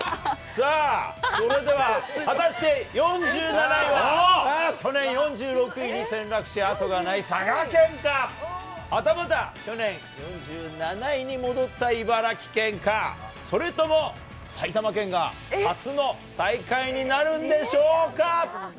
さあ、それでは果たして４７位は、去年４６位に転落し、後がない佐賀県か、はたまた去年４７位に戻った茨城県か、それとも埼玉県が初の最下位になるんでしょうか。